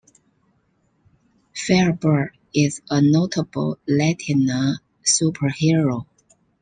Firebird is a notable Latina superhero.